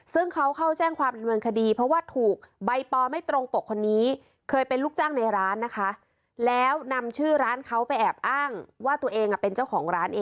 ซึ่งเขาเข้าแจ้งความเป็นบรรคดีเพราะว่าถูก